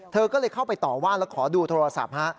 เธอก็เลยเข้าไปต่อว่าแล้วขอดูโทรศัพท์ฮะ